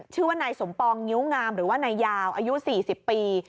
ชื่อว่านายสมปองงิ้วงามหรือว่านายยาวอายุ๔๐ปี